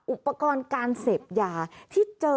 อุปกรณ์การเสพยาที่เจอ